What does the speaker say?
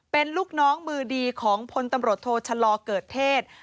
เป็นลูกน้องมือดีของพลตำรวจโทชะลอเกิดเทศ